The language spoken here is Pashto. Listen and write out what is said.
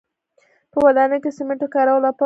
په ودانیو کې د سیمنټو کارول او پمپ یې و